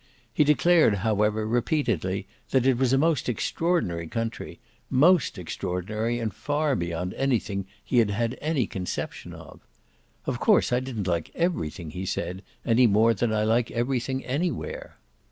He declared however, repeatedly, that it was a most extraordinary country most extraordinary and far beyond anything he had had any conception of. "Of course I didn't like EVERYTHING," he said, "any more than I like everything anywhere."